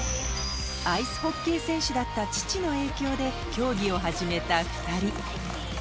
アイスホッケー選手だった父の影響で、競技を始めた２人。